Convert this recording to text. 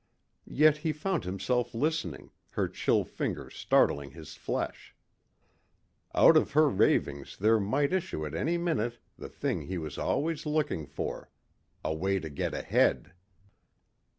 Yet he found himself listening, her chill fingers startling his flesh. Out of her ravings there might issue at any minute the thing he was always looking for ... a way to get ahead.